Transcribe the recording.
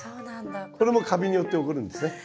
これもカビによって起こるんですね。